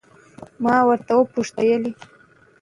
ما ورته وپوښتل ولې؟